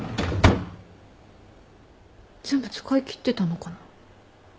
全部使い切ってたのかな？